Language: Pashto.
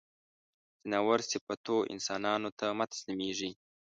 ځناور صفتو انسانانو ته مه تسلیمېږی.